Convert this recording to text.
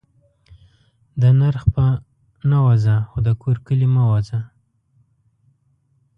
دا نرخ په نه. ووځه خو دا کور کلي مه ووځه